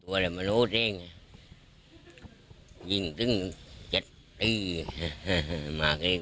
ตัวแหละมนุษย์เองยิงตึ้ง๗ตีมากเลย